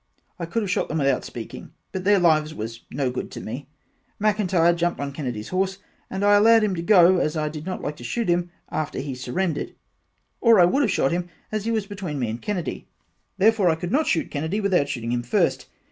I could have shot them without speaking but their lives was no good to me. McIntyre jumped on Kennedys horse and I allowed him to go as I did not like to shoot him after he surrendered or I would have shot him as he was between me and Kennedy therefore I could not shoot Kennedy without shooting him first.